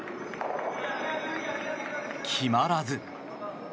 決まらず。